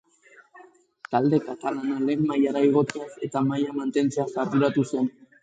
Talde katalana lehen mailara igotzeaz eta maila mantentzeaz arduratu zen.